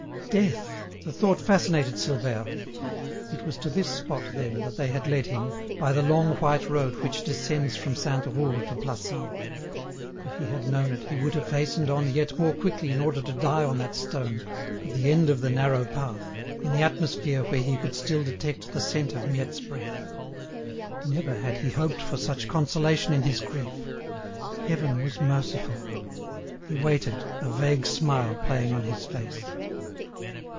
death! the thought fascinated Silvère. It was to this spot, then, that they had led him, by the long white road which descends from Sainte Roure to Plassans. If he had known it, he would have hastened on yet more quickly in order to die on that stone, at the end of the narrow path, in the atmosphere where he could still detect the scent of Miette's breath! Never had he hoped for such consolation in his grief. Heaven was merciful. He waited, a vague smile playing on is face.